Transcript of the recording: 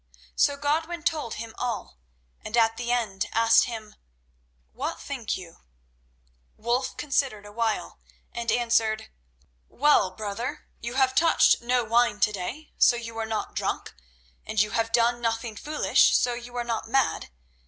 So Godwin told him all, and at the end asked him, "What think you?" Wulf considered awhile, and answered: "Well, brother, you have touched no wine to day, so you are not drunk, and you have done nothing foolish, so you are not mad.